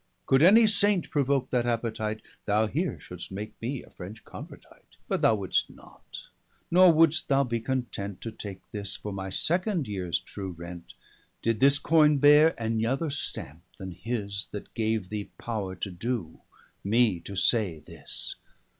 Could any Saint provoke that appetite, Thou here should'st make me a French convertite. But thou would'st not; nor would'st thou be content, To take this, for my second yeares true Rent, 520 Did this Coine beare any other stampe, then his, That gave thee power to doe, me, to say this.